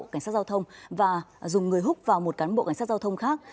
cảnh sát giao thông và dùng người hút vào một cán bộ cảnh sát giao thông khác